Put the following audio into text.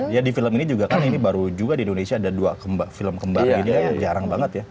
ya di film ini juga kan ini baru juga di indonesia ada dua film kembar ini jarang banget ya